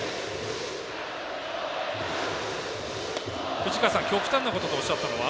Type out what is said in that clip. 藤川さん、極端なこととおっしゃったのは？